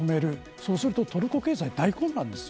そうするとトルコ経済は大混乱です。